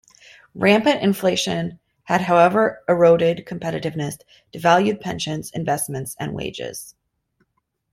Rampant inflation had however eroded competitiveness, devalued pensions, investments, and wages.